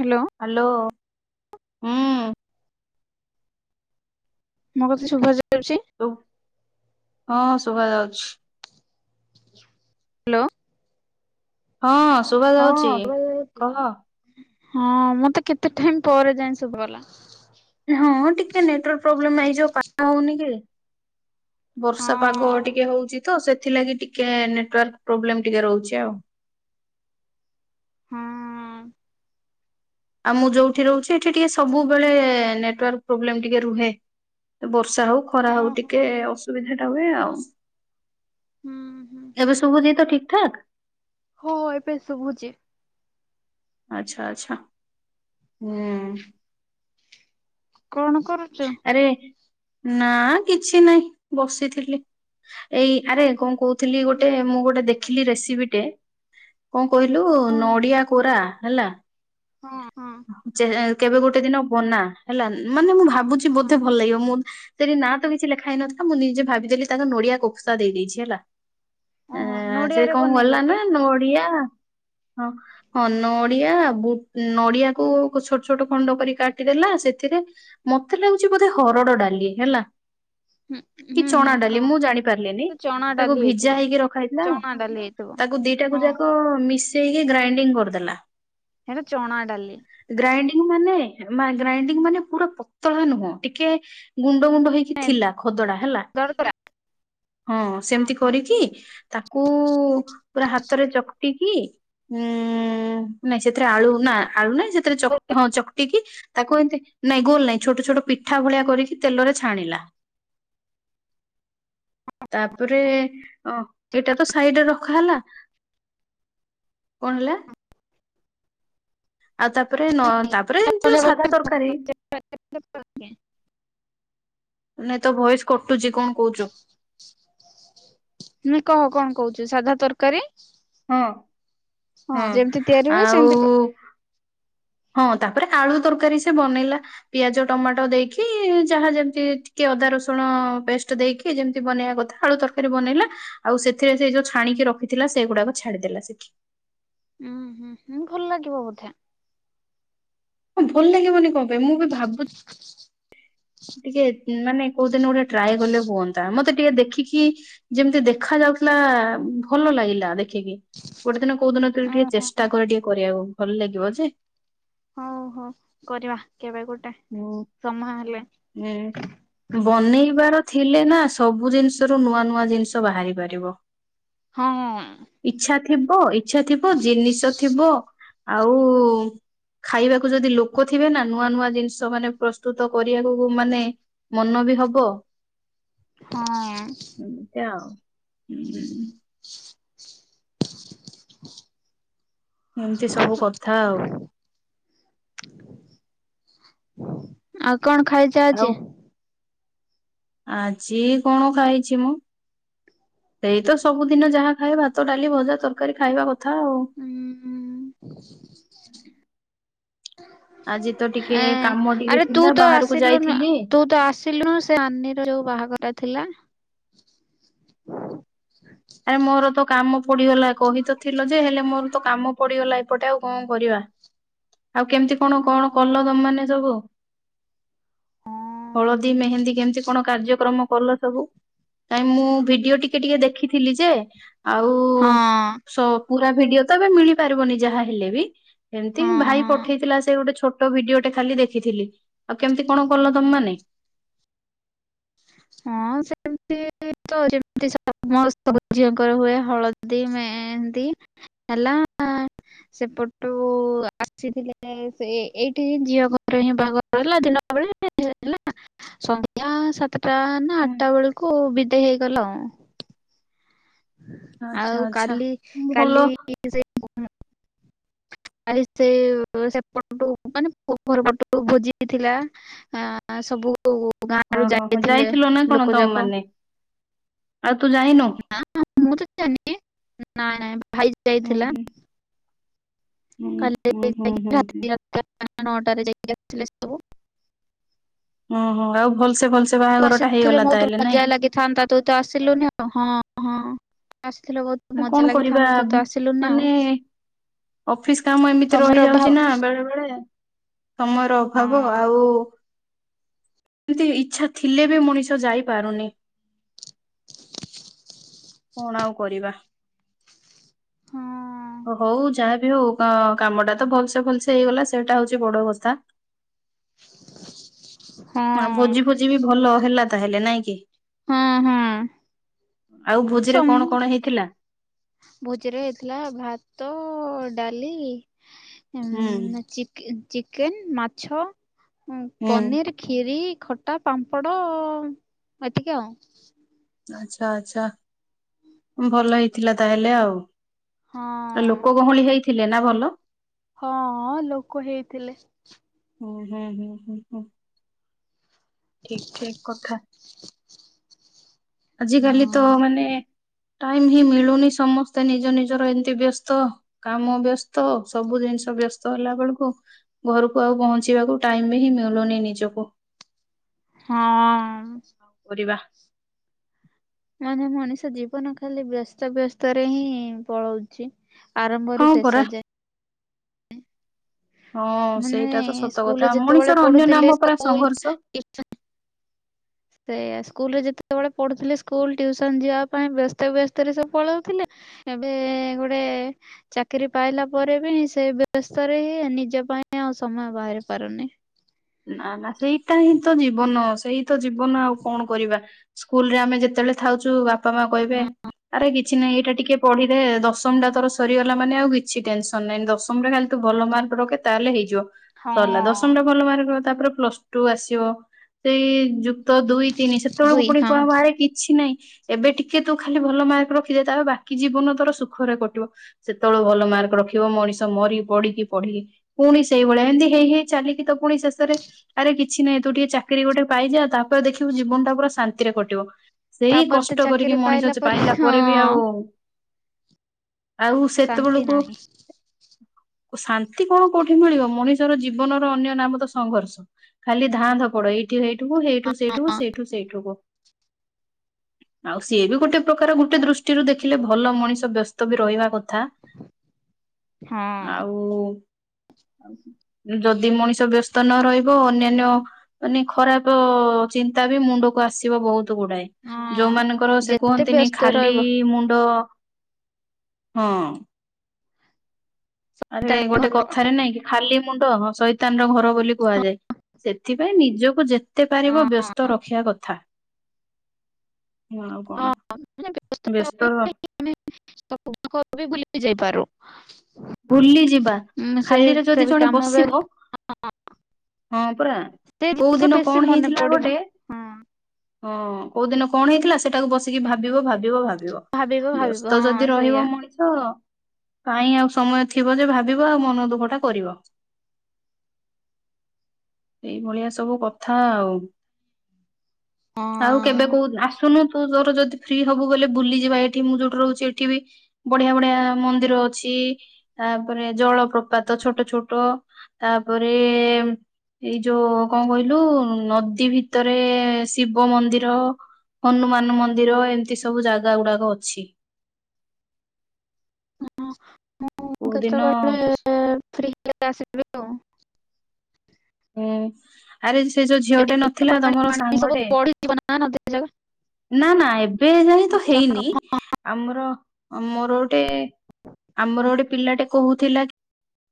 Hello. Hello. ମୋ କଥା ଶୁବା ଯାଉଚି? ଟୁ ହଁ ଶୁଭା ଯାଉଛି। ଲୋ ହଁ। ଶୁଭା ହଁ ଯାଉଛି କହ। ହଁ ମତେ କେତେ ଟାଇମ୍ ପରେ ଯାଇଁ ଶୁଭା ଗଲା। ହଁ ଟିକେ ନେଟୱାର୍ ପ୍ରୋବ୍ଲେମ୍ ଏଇ ଯୋଉ ପା ମ ହଉନି କି? ବର୍ଷା ପାଗ ହଁ ଟିକେ ହଉଚି ତ ସେଥିଲାଗି ଟିକେ ନେଟୱାର୍କ ପ୍ରୋବ୍ଲେମ ଟିକେ ରହୁଚି ଆଉ। ହଁ। ଆଉ ମୁଁ ଯୋଉଠି ରହୁଚି ଏଠି ଟିକିଏ ସବୁବେଳେ ନେଟୱାର୍କ ପ୍ରୋବ୍ଲେମ ଟିକିଏ ରୁହେ। ବର୍ଷା ହଉ। ଖରା ହଁ ହଉ ହଁ ଟିକେ ଅସୁବିଧା ଟା ହୁଏ ଆଉ ହୁଁ ହୁଁ ଏବେ ସବୁ ଯିଏ ତ ଠିକ ଠାକ୍ ହ ଏବେ ସୁବୁଚି। ଆଛା ଆଚ୍ଛା ହୁଁ। କଣ କର ଆରେ ନା କିଛି ନାହିଁ ବସିଥିଲି ଏଇ ଆରେ କଣ କହୁ ଥିଲି ଗୋଟେ ମୁଁ ଗୋଟେ ଦେଖିଲି ରେସିପିଟେ। କଣ କହିଲୁ କଣ ନଡିଆ କୋରା ହେଲା। ହଁ ହୁଁ। ଯେ କେବେ ଗୋଟେ ଦିନ ବନା ହେଲା ମାନେ ମୁଁ ହଁ ଭାବୁଛି କହ ବୋଧେ ଭଲ ଲାଗିବ ମୁଁ ସେଠି ନାଁ ତ କିଛି ଲେଖା ହେଇନଥିଲା ମୁଁ ନିଜେ ଭାବି ଦେଲି ତାଙ୍କ ନଡିଆ କୋଫସା ଦେଇ ଦେଇଛି ହେଲା। ଓହୋ ହଁ ସେ ନଡିଆରେ କଁ ବନେଇଲ କି? କଲାନା ନଡ଼ିଆ ହଁ। ହଁ ନଡିଆ ବୁ ନଡିଆକୁ ଛୋଟ ଛୋଟ ଖଣ୍ଡ କରି କାଟିଦେଲା ସେଥିରେ। ମତେ ଲାଗୁଚି ବୋଧେ ହରଡ଼ ଡାଲି ହେଲା। ହୁଁ କି ହୁଁ ହୁଁ ଚଣା ଡାଲି କହ ମୁଁ ଜାଣି ପାରିଲିନି ସେ ଚଣା ତାକୁ ଡାଲି ହେଇଥିବ ଭିଜା ହେଇକି ରଖା ହେଇଥିଲା। ଚଣା ଡାଲି ହେଇଥିବ ତାକୁ ହଁ। ଦିଟାକୁ ଯାକ ମିଶେଇକି ଗ୍ରାଇଣ୍ଡିଙ୍ଗ କରିଦେଲା। ହେରା ଚଣା ଡାଲି। ଗ୍ରାଇଡିଙ୍ଗ ମାନେ ମା ଗ୍ରାଇଣ୍ଡିଙ୍ଗ ମାନେ ପୁରା ପ ପତଳା ନୁହଁ ଟିକେ ଗୁଣ୍ଡ ଗୁଣ୍ଡ ହେଇକି ଥିଲା ଖଦଡା ହେଲା। ଦରଦରା ହଁ ସେମିତି କରିକି ତାକୁ ପୁରା ହାତରେ ଚକଟି କି ହୁଁ। ନାଇଁ ସେଥିରେ ଆଳୁ ନା ଆଳୁ ନାଇଁ ସେଥିରେ ଚକ ହଁ ଚକଟି କିି ତାକୁ ଏମିତି ନାଇଁ ଗୋଲ ନାଇଁ। ଛୋଟ ଛୋଟ ପିଠା ଭଳିଆ କରିକି ତେଲରେ ଛାଣିଲା। ତାପରେ ଅ ଏଟା ତ ସାଇଡରେ ରଖା ହେଲା। କଣ ହେଲା? ଆଉ ତାପରେ ନ ତାପରେ ଏମିତି ସାଧା ତରକାରୀ। ନାଇଁ ତ ଭଏସ କଟୁଚି କଣ କହୁଚୁ। ନା କହ କଣ କହୁଚୁ ସାଧା ତରକାରୀ। ହଁ ହଁ ଯେମିତି ତିଆରି ହୁଏ ଆଉ ସେମତି କ ହଁ ତାପରେ ଆଳୁ ତରକାରୀ ସେ ବନେଇଲା। ପିଆଜ ଟମାଟୋ ଦେଇକି ଯାହା ଯେମିତି ଟିକେ ଅଦା ରସୁଣ ପେଷ୍ଟ ଦେଇକି। କି ଯେମିତି ବନେଇବା କଥା ଆଳୁ ତରକାରୀ ବନେଇଲା। ଆଉ ସେଥିରେ ସେ ଯୋଉ ଛାଣିକି ରଖିଥିଲା ସେଗୁଡାକ ଛାଡିଦେଲା ସେଠି। ଉୁଁ ହୁଁ ହୁଁ ଭଲ ଲାଗିବ ବଧେ। ହଁ ଭଲ ଲାଗିବନି କଣ ପାଇଁ ମୁଁ ବି ଭାବୁ ଟିକେ ମାନେ କୋଉଦିନ ଗୋଟେ ଟ୍ରାଏ କଲେ ହୁଅନ୍ତା ମତେ ଟିକେ ଦେଖିକି। ଯେମିତି ଦେଖା ଯାଉଥିଲା ଭଲ ଲାଗିଲା ଦେଖିକି। ଗୋଟେ ଦିନ କୋଉଦିନ ଟିକେ ଓହୋ ଚେଷ୍ଟା ହଁ। କରେ ଟିକେ କରିବାକୁ ଭଲ ଲାଗିବ ଯେ। ହଉ ହ କରିବା କେବେ ଗୋଟେ। ମୁଁ ସମୟ ହେଲେ। ହେ ବନେଇବାର ଥିଲେ ନା, ସବୁ ଜିନିଷରୁ ନୂଆ ନୂଆ ଜିନିଷ ବାହାରି ପାରିବ। ହଁ-ଅଁ-ଉଁ। ଇଛା ଥିବ, ଇଛା ଥିବ ଜିନିଷ ଥିବ। ଆଉ-ଉଁ ଖାଇବାକୁ ଯଦି ଲୋକ ଥିବେ ନା, ନୂଆ ନୂଆ ଜିନ୍ସ ତମାନେ ପ୍ରସ୍ତୁତ କରିବାକୁ ମାନେ, ମନ ବି ହବ। ହଁ-ଅଁ ଏମିତି ଆଉ, ହୁଁ। ଏମିତି ସବୁ କଥା ଆଉ। ଆଉ କଣ ଖାଇଚ ଆଉ ଆଜି? ଆଜି କଣ ଖାଇଛି ମୁଁ? ସେଇ ତ ସବୁଦିନ ଯାହା ଖାଏ, ଭାତ୍ ତ, ଡାଲି, ଭଜା, ତରକାରୀ ଖାଇବା କଥା ଆଉ। ଉଁ, ଆଜି ତ ଟିକେ ଉଁ। କାମ ଏଁ, ଟିକେ ଆରେ ତୁ ଥିଲା ତ ବାହାରକୁ ଆସିଲୁନୁ, ଯାଇଥିଲି ତୁ ତ ଆସ୍ ତିଲୁନୁ, ସେ ଆନିର ଯୋଉ ବାହାଘରଟା ଥିଲା। ଆରେ ମୋର ତ କାମ ପଡିଗଲା। କହି ତ ଥିଲ ଯେ, ହେଲେ ମୋର ତ କାମ ପଡିଗଲା ଏପଟେ ଆଉ, କଣ କରିବା? ଆଉ କେମିତି କଣ ହଁ କଣ କଲ ତମ ମାନେ ସବୁ? ହଳଦୀ ମେହେନ୍ଦୀ କେମିତି କଣ କାର୍ଯ୍ୟକ୍ରମ କଲ ସବୁ? କାଇଁ ମୁଁ ଭିଡିଓ ଟିକେ ଟିକେ ଦେଖିଥିଲି ଯେ, ଆଉ-ଉ ହଁ ସ ପୁରା ଭିଡିଓ ତ ଏବେ ମିଳି ପାରିବନି, ଯାହା ହେଲେ ବି। ଏମିତି ଭାଇ ହଁ ପଠେଇଥିଲା ସେ ଗୋଟେ ଛୋଟ୍ ଟ ଭିଡିଓ ଟେ ଖାଲି ଦେଖିଥିଲି। ଆଉ କେମିତି କଣ କଲ, ତମମାନେ? ହଁ, ସେମତି-ଇ। ତ ଯେମିତି ସମସ୍ତ ଝିଅଙ୍କର ହୁଏ, ହଳଦୀ ମେହେନ୍ଦୀ। ହେଲା ଆଁ ସେପଟୁ ଆସିଥିଲେ ସେ, ଏଇଠିି ଝିଅ ଘର ହିଁ ବାହାଘର ହିଲା ଦିନ ବେଳେ-ଏ ନାଁ, ସନ୍ଧ୍ୟା ସାତ୍ ଯାହାହେନେ ହୁଁ ଆଠଟା ବେଳକୁ ବିଦେଇ ହେଇଗଲା ଆଉ। ଆଚ୍ଛା ଆଉ ଆଚ୍ଛା କାଲି, ଭଲ କାଲି-ଇ ସେ ଆରେ ସେ ସେପଟୁ ମାନେ, ଘର ପଟୁ ଭୋଜି ହେଇଥିଲା। ଆଁ ସବୁ ଗାଁରୁ ଓହୋ! ହୋ! ଯାଇଥିଲେ ଯାଇଥିଲ ନା କଣ ଲୋକ ତମ ଯାକ ମାନେ! ଆଉ ତୁ ଯାଇନୁ? ମୁଁ ତ ଯାନି। ନାଇଁ, ନାଇଁ, ଭାଇ ହୁଁ ଯାଇଥିଲା। ହୁଁ ହୁଁ କାଲି ହୁଁ ହୁଁ ହୁଁ ହୁଁ। ଯାଇକି ରା [inaudible] ନଅଟାରେ ଯାଇକି ଆଥିଲେ ସବୁ। ଓ ହୋ! ଆଉ ଭଲ୍ ସେ, ଭଲ୍ ସେ ତୁ ଆସିଥିଲେ, ବହୁତ ମଜା ଲାଗିଥାନ୍ତା। ତୁ ତ ଆସିଲୁନି ଆଉ, ହଁ-ହଁ- ଆସିଥିଲେ ବହୁତ ମଜା କଣ କରିବା ଲାଗିଥାନ୍ତା ତୁ ତ ଆସିଲୁନି ଆଉ ମାନେ ଅଫିସ କାମ ଏମିତି ତମର ଅଭାବ ରହିଯାଉଛି ନା ବେଳେ ବେଳେ, ସମୟର ଅଭାବ। ହଁ। ଆଉ ଏମିତି ଇଚ୍ଛା ଥିଲେ ବି ମଣିଷ ଯାଇପାରୁନି! କଣ ଆଉ କରିବା? ହଁ ଅ ହଉ, ଯାହାବି ହଉ କାମଟା ତ ଭଲ୍ ସେ ଭଲ୍ ସେ ହେଇଗଲା। ସେଇଟା ହଉଚି ବଡ କଥା।। ହଁ, ଭୋଜି ଫୋଜି ବି ଭଲ ହେଲା ତାହେଲେ ନାଇଁ କି? ହଁ, ହୁଁ। ଆଉ ଭୋଜିରେ କଣ ସମ୍ କଣ ହେଇଥିଲା? ଭୋଜିରେ ହେଇଥିଲା ଭାତ, ଡାଲି ହୁଁ। ଚିକ ଚିକେନ ମାଛ ହୁଁ ପନିର ଖିରି ଖଟା ପାମ୍ପଡ଼ ଏତିକି ଆଉ। ଆଛା ଆଛା ଭଲ ହେଇଥିଲା ତାହେଲେ ଆଉ। ହଁ। ଲୋକ ଗହୁଳି ହେଇଥିଲେ ନା ଭଲ? ହଁ ଲୋକ ହେଇଥିଲେ। ହୁଁ ହୁଁ ହୁଁ ହୁଁ ହୁଁ ଠିକ ଠିକ କଥା। ଆଜ କାଲି ତ ହଁ ମାନେ ଟାଇମ ହିଁ ମିଳୁନି ସମସ୍ତେ ନିଜ ନିଜର ଏମତି ବ୍ୟସ୍ତ। କାମ ବ୍ୟସ୍ତ ସବୁ ଜିନିଷ ବ୍ୟସ୍ତ ହେଲା ବେଳକୁ ଘରକୁ ଆଉ ପହଞ୍ଚିବାକୁ ଟାଇମ ହିଁ ମିଳୁନି ନିଜକୁ। ହଁ। କରିବା। ମାନେ ମଣିଷ ଜୀବନ ଖାଲି ବ୍ୟସ୍ତବ ବ୍ୟସ୍ତ ରେ ହିଁ ପଳଉଚି। ହଁ ଆରମ୍ଭରୁ ପରା ଶେଷ ଯାଏ। ହଁ ମାନେ ସେଇଟା ତ ସତ ସ୍କୁଲରେ କଥା ଯେତେବେଳେ ମଣିଷର ଅନ୍ୟ ପଢୁଥିଲେ ନାମ ପରା ସଂଘର୍ଷ [unintelligible] ସେଆ ସ୍କୁଲରେ ଯେତେବେଳେ ପଢ଼ୁଥିଲେ ସ୍କୁଲ ଟଟିୁସନ ଯିବା ପାଇଁ ବ୍ୟସ୍ତ ବ୍ୟସ୍ତରେ ସବୁ ପଳାଉଥିଲେ ଏବେ ଗୋଟେ ଚାକିରି ପାଇଲା ପରେ ବି ସେ ବ୍ୟସ୍ତରେ ହି ନିଜ ପାଇଁ ଆ ଆଉ ସମୟ ବାହାରି ପାରୁନି। ନା ନା ସେଇଟା ହିଁ ତ ଜୀବନ ସେଇ ତ ଜୀବନ ଆଉ କଣ କରିବା। ସ୍କୁଲ ରେ ଆମେ ଯେତେବେଳେ ଖାଉଛୁ ବାପା ମା କହିବେ ଆରେ କିଛି ନାହିଁ ଏଇଟା ଟିକେ ପଢିଦେ ଦଶମ ଟା ତର ସରିଗଲା ମାନେ ଆଉ କିଛି ଟେନସ ନଁ ଦଶମ ରେ ଖାଲି ତୁ ଭଲ ମାର୍କ ରଖେ ତାହେଲେ ହେଇଯିବ। ସରିଲା ଦଶମ ହଁ। ଟା ଭଲ ମାର୍କବ ତାପରେ ପ୍ଲସ ଟୁ ଆସିବ। ସେଇ ଯୁକ୍ ତ ଦୁଇ ତିନି ସେତେବେଳକୁ ଦୁଇ ପୁଣି ହଁ କଣ ବାହାରେ କିଛି ନହିଁ ଏବେ ଟିକେ ତୁ ଖାଲି ଭଲ ମାର୍କ ରଖିଦେ ତାହେ ବାକି ଜୀବନ ତୋର ସୁଖରେ କଟିବ। ସେତେବେଳଳେ ଭଲ ମାର୍କ ରଖିବ ମଣିଷ ମରି ପଢିକି ପଢି ପୁଣି ସେଇଭଳିଆ ଏମିତି ହେଇ ହେଇ ଚାଲିକି ତ ପୁଣି ସେ ଆରେ କିଛି ନାହିଁ ତୁ ଟିକେ ଚାକିରି ଗୋଟେ ପାଇଯା ତାପରେ ଦେଖିବୁ ଜୀବନ ଟା ପୁରା ଶାନ୍ତିରେ କଟିବ। ସେଇ ତାପରେ ତ କଷ୍ଟ କରିକି ଚାକିରି ମଣିଷ ପାଇଲା ପରେ ବି ଆଉ ହଁ ଆଉ ଶାନ୍ତି ସେତେବେଳକୁ ନାହିଁ। ଶାନ୍ତି କଣ କୋଉଠି ମିଳିବ ମଣିଷର ଜୀବନର ଅନ୍ୟ ନାମ ତ ସଂଘର୍ଷ ଖାଲି ଧାଁ ଧପଡ ଏଇଠୁ ହେଇଠୁକୁ ହେଇଠୁ ସେଇଠୁକୁ ସେଇଠୁ ସେଇଠୁକୁ। ଆଉ ସିଏ ବି ଗୋଟେ ପ୍ରକାର ଗୋଟେ ଦୃଷ୍ଟିରୁ ଦେଖିଲେ ଭଲ ମଣିଷ ବ୍ୟସ୍ତ ବି ରହିବା କଥା। ହଁ। ଆଉ ଯଦି ମଣିଷ ବ୍ୟସ୍ତ ନ ରହିବ ଅନ୍ୟାନ୍ୟ ମାନେ ଖରାପ ଚିନ୍ତା ବି ମୁଣ୍ଡକୁ ଆସିବ ବହୁତ ଗୁଡାଏ। ହଁ ଯୋଉମାନାନଙ୍କର ସେ ଯେତେ କୁହନ୍ତିନି ବ୍ୟସ୍ତ ଖାଲି ରହିବ ମୁଣ୍ଡ ହଁ। ଆରେ ତା ଗୋଟେ କ ଥାରେ ନାଇଁ କି ଖାଲି ମୁଣ୍ଡ ସଇତାନ ର ଘର ବୋଲି କୁହାଯାଏ ସେଥିପାଇଁ ନିଜକୁ ଯେ ଏତେ ପାରିବ ବ୍ୟସ୍ତ ହଁ ରଖିବା କଥା ହ ଆଉ କଣ। ହଁ ମାନେ ବ୍ୟସ୍ତ ର [unintelligible] ଯାଇପାରୁ। ବୁଲି ଯିବା ଉଁ ସେଇ ଖାଲିରେ ସେ ଯଦି ବି ଜଣେ କାମ ବେ ବସିବ ହଁ ହଁ ପରା ସେ କୋଉ ଜିନିଷ ଦିନ ବେଶୀ କଣ ମନେ ହେଇଥିଲା ପଡିବ। ଗୋଟେ ହଁ ହଁ କୋଉ ଦିନ କଣ ହେଇଥିଲା ସେଟାକୁ ବସିକି ଭାବିବ ଭାବିବ ଭା ଲିଅ ଭାବିବ ଭାବିବ ବ୍ୟସ୍ତ ହଁ ଯଦି ସେଇଆ। ରହିବ ମଣିଷ କାଇଁ ଆଉ ସମୟ ଥିବ ଯେ ଭାବିବ ଆଉ ମନ ଦୁଃଖଟା କରିବ। ଏଇ ଭଳିଆ ସବୁ କଥା ଆଉ। ଆଉ କେବେ ହଁ। କୋଉ ଆସୁନୁ ତୁ ତୋର ଯଦି ଫ୍ରି ହବୁ ବଲେ ବୁଲିଯିବା ଏଠି ମୁଁ ଯୋଉଠି ରହୁଚି ଏଠି ବି ବଢ଼ିଆ ବଢ଼ିଆ ମନ୍ଦିର ଅଛି। ତାପରେ ଜଳପ୍ରପାତ ଛୋଟ ଛୋଟ ତାପରେ ଏଇ ଯୋଉ କଁ କହିଲୁ ନଦୀ ଭିତରେ ଶିବ ମନ୍ଦିର। ହନୁମାନ ମନ୍ଦିର ଏମତି ସବୁ ଜାଗା ଗୁଡ଼ାକ ଅଛି। ହଁ ମୁଁ କୋଉ ଦିନ କେତବେଳେ ଫ୍ରି ହେଲେ ଆସିବି ଆଉ। ହୁଁ ଆରେ ସେ ଯୋଉ ଝିଅଟେ ଏବେ ତ ନଥିଲା ପାଣି ତମର ପାଣି ସବୁ ସାଙ୍ଗଟେ? ବଢିଯିବ ନା ନଦୀ ଜାଗା। ନାଁ ନାଁ ଏବେ ଯାଇଁ ତ ମୁଁ ହେଇନି। ଆମର ଅଁ ମୋର ଗୋଟେ ଆମର ଗୋଟେ ପିଲାଟେ କହୁଥିଲା